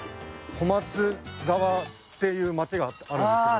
小松川っていう町があるんですけど。